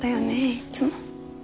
いっつも。